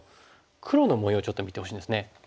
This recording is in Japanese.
黒の模様をちょっと見てほしいんですね。